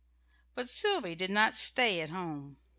But Sylvy did not stay at home.